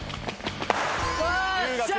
よっしゃ！